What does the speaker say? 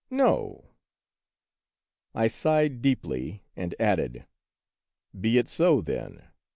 —" No !" I sighed deeply and added :" Be it so, then.